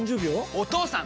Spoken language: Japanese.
お義父さん！